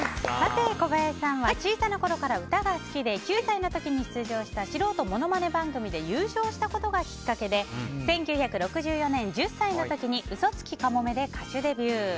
小林さんは小さなころから歌が好きで９歳の時に出場した素人ものまね番組で優勝したことがきっかけで１９６４年、１０歳の時に「ウソツキ鴎」で歌手デビュー。